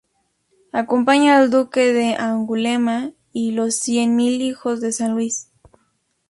Acompaña al duque de Angulema y los Cien Mil Hijos de San Luis.